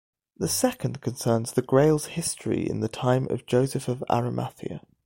The second concerns the Grail's history in the time of Joseph of Arimathea.